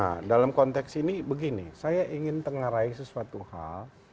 tapi dalam konteks ini begini saya ingin tengah raih sesuatu hal